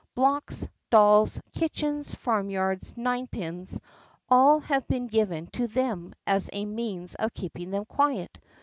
Blocks, dolls, kitchens, farm yards, ninepins all have been given to them as a means of keeping them quiet.